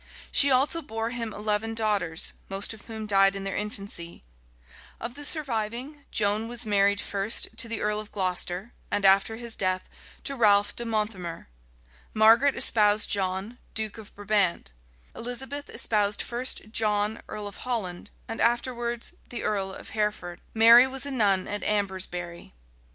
She also bore him eleven daughters, most of whom died in their infancy: of the surviving, Joan was married first to the earl of Glocester, and after his death to Ralph de Monthermer: Margaret espoused John, duke of Brabant: Elizabeth espoused first John, earl of Holland, and afterwards the earl of Hereford: Mary was a nun at Ambresbury.